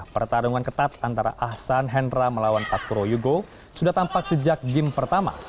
pertarungan ketat antara ahsan hendra melawan kakuro yugo sudah tampak sejak game pertama